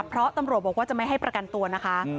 เพราะตำรวจบอกว่าจะไม่ให้ประกันตัวนะคะ